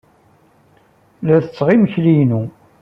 La setteɣ imekli-inu.